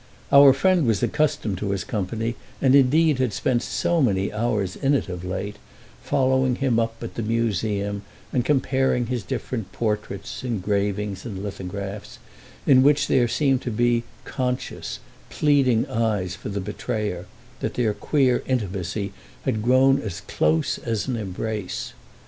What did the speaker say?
Our friend was accustomed to his company and indeed had spent so many hours in it of late, following him up at the museum and comparing his different portraits, engravings and lithographs, in which there seemed to be conscious, pleading eyes for the betrayer, that their queer intimacy had grown as close as an embrace.